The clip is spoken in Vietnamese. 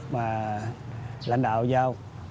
và lãnh đạo giao